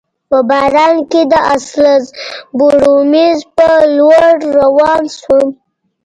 په باران کي د اسلز بورومیز په لور روان شوم.